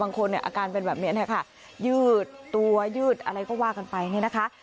บางคนอาการเป็นแบบนี้ยืดตัวยืดอะไรก็ว่ากันไปนะคะ